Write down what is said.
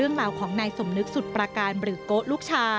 ทำไมเราต้องเป็นแบบเสียเงินอะไรขนาดนี้เวรกรรมอะไรนักหนา